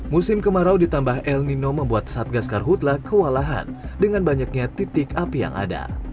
musim kemarau ditambah el nino membuat satgas karhutlah kewalahan dengan banyaknya titik api yang ada